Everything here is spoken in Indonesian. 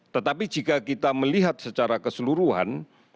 tetapi jika kita melihat secara keseluruhan